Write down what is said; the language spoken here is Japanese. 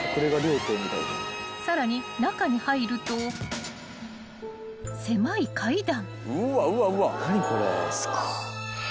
［さらに中に入ると狭い階段］